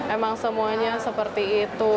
emang semuanya seperti itu